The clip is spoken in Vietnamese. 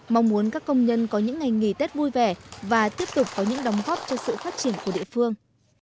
mong muốn các công nhân có những ngày nghỉ tết vui vẻ và tiếp tục có những đóng góp cho sự phát triển của địa phương